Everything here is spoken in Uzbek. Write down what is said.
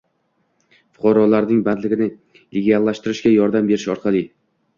fuqaroning bandligini legallashtirishga yordam berish orqali